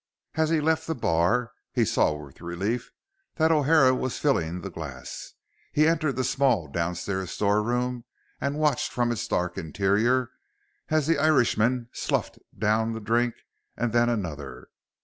As he left the bar, he saw with relief that O'Hara was filling the glass. He entered the small downstairs storeroom and watched from its dark interior as the Irishman sloughed down the drink and then another.